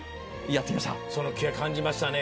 その気合感じましたね